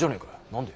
何で。